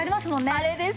あれです！